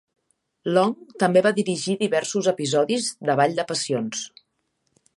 Long també va dirigir diversos episodis de "Vall de passions".